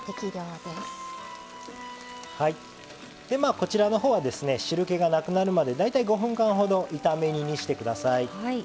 こちらのほうは汁けがなくなるまで大体５分間ほど炒め煮にして下さい。